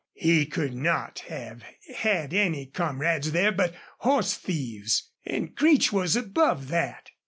No, he could not have had any comrades there but horse thieves, and Creech was above that.